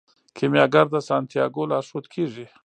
کیمیاګر د سانتیاګو لارښود کیږي.